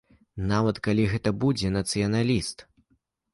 Нават калі гэта будзе нацыяналіст.